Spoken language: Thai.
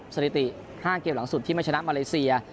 สถิติ๕เกมหลังสุดที่ไม่ชนะมาเลเซีย